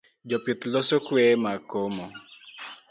Jopitho loso kweye mag komo